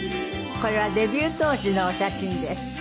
これはデビュー当時のお写真です。